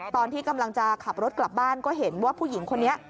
ตอนที่กำลังจะขับรถกลับบ้านก็เห็นว่าผู้หญิงคนนี้